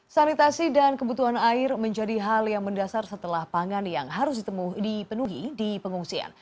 sanitasi dan kebutuhan air menjadi hal yang mendasar setelah pangan yang harus dipenuhi di pengungsian